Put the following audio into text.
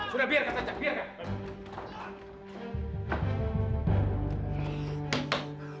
sudah biarkan saja biarkan